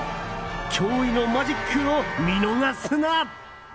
驚異のマジックを見逃すな。